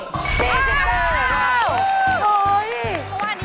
๔๙บาทโอ้โฮโอ้โฮ